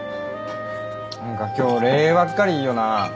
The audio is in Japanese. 何か今日礼ばっかり言いような。